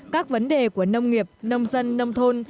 các vấn đề của nông nghiệp nông dân nông thôn